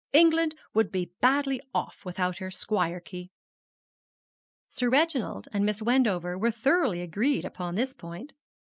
England would be badly off without her squirearchy.' Sir Reginald and Miss Wendover were thoroughly agreed upon this point.